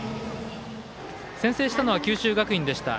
先制したのは九州学院でした。